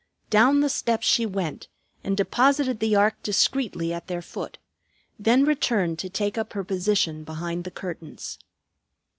Down the steps she went, and deposited the ark discreetly at their foot; then returned to take up her position behind the curtains.